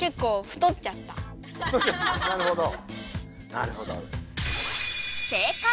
なるほど。